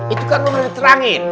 itu kan udah diterangin